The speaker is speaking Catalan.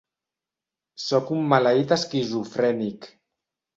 Sóc un maleït esquizofrènic.